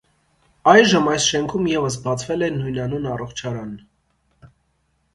Այժմ այս շենքում ևս բացվել է նույնանուն առողջարան։